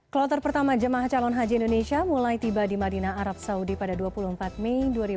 kloter pertama jemaah calon haji indonesia mulai tiba di madinah arab saudi pada dua puluh empat mei dua ribu dua puluh